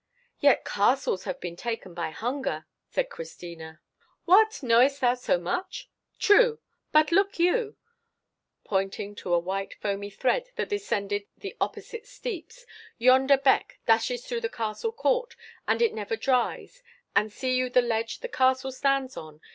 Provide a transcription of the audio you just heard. "Yet castles have been taken by hunger," said Christina. "What, knowest thou so much?—True! But look you," pointing to a white foamy thread that descended the opposite steeps, "yonder beck dashes through the castle court, and it never dries; and see you the ledge the castle stands on?